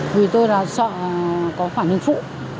vì tôi là sợ có khoản hình phụ